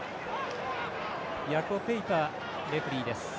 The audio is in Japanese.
ヤコ・ペイパーレフリーです。